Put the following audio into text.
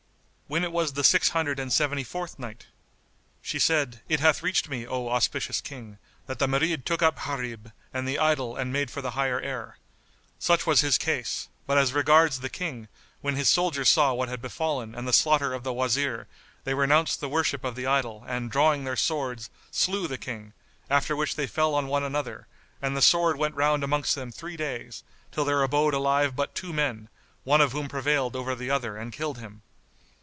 When it was the Six Hundred and Seventy fourth Night, She said, It hath reached me, O auspicious King, that the Marid took up Gharib and the idol and made for the higher air. Such was his case; but as regards the King, when his soldiers saw what had befallen and the slaughter of the Wazir they renounced the worship of the idol and drawing their swords, slew the King; after which they fell on one another, and the sword went round amongst them three days, till there abode alive but two men, one of whom prevailed over the other and killed him.